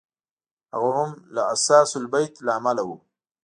هغه هم له اثاث البیت له امله و.